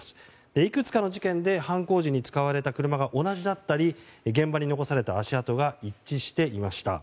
いくつかの事件で犯行時に使われた車が同じだったり現場に残された足跡が一致していました。